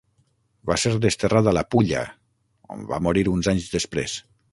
Va ser desterrat a la Pulla on va morir uns anys després.